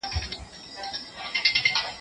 عدالت یې هر سړي ته وو منلی